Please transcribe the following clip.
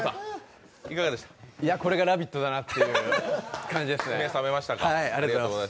これが「ラヴィット！」だなっていう感じですね。